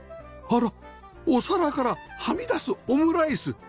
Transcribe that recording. あら！お皿からはみ出すオムライス